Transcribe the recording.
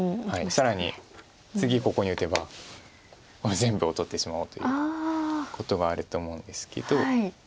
更に次ここに打てばこれ全部を取ってしまおうということがあると思うんですけど。